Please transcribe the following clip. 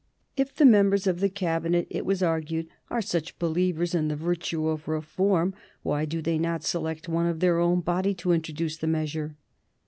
If the members of the Cabinet, it was argued, are such believers in the virtue of reform, why do they not select one of their own body to introduce the measure?